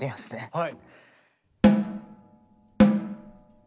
はい。